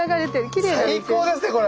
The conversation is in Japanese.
最高ですよこれ！